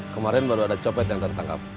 kemarin baru ada copet yang tertangkap